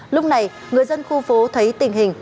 lúc này người dân khu phố thấy tình hình